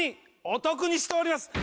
お得にしております！